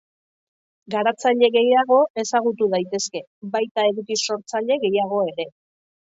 garatzaile gehiago ezagutu daitezke, baita eduki sortzaile gehiago ere